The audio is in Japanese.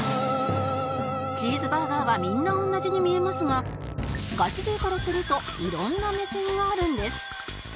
チーズバーガーはみんな同じに見えますがガチ勢からすると色んな目線があるんです